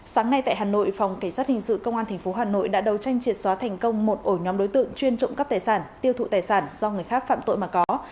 sáng nay tại hà nội phòng cảnh sát hình sự công an tp hà nội đã đầu tranh triệt xóa thành công một ổ nhóm đối tượng chuyên trộm cắp tài sản tiêu thụ tài sản do người khác phạm tội mà có